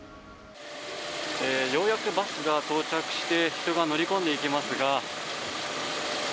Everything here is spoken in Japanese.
ようやくバスが到着して人が乗り込んでいきますが。